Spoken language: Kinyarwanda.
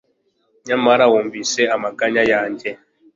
nyamara wumvise amaganya yanjye